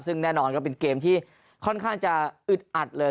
ซึ่งแน่นอนก็เป็นเกมที่ค่อนข้างจะอึดอัดเลย